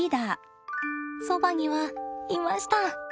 そばにはいました。